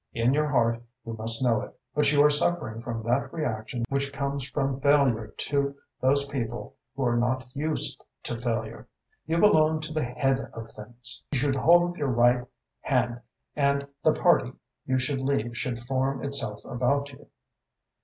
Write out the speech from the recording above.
"In your heart you must know it, but you are suffering from that reaction which comes from failure to those people who are not used to failure. You belong to the head of things. You should hold up your right, hand, and the party you should lead should form itself about you.